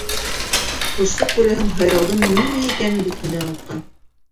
Ҡошсоҡ, күрәһең, һайрауҙың нимә икәнен бөтөнләй онотҡан.